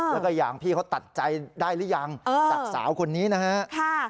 แล้วก็อย่างพี่เขาตัดใจได้รึยังเอิ่มจากสาวคนนี้นะฮะค่ะ